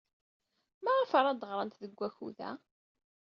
Maɣef ara d-ɣrent deg wakud-a?